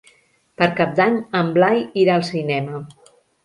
Per Cap d'Any en Blai irà al cinema.